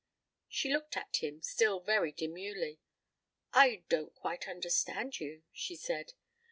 She looked at him, still very demurely. "I don't quite understand you," she said.